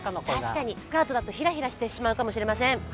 確かにスカートだとひらひらしてしまうかもしれません。